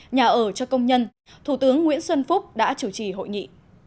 nhà ở cho công nhân thủ tướng nguyễn xuân phúc đã chủ trì hội nghị